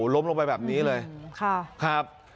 ล้มลงไปแบบนี้เลยครับ